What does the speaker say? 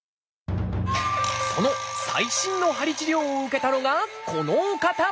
その最新の鍼治療を受けたのがこのお方！